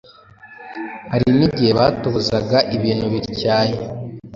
Hari n’igihe batobozaga ibintu bityaye